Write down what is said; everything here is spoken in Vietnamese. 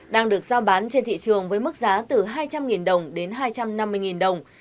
đang được giao bán trên thị trường với mức giá từ hai trăm linh đồng đến hai trăm năm mươi đồng